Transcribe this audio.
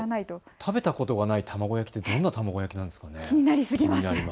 食べたことがない卵焼きってどんな卵焼きでしょう。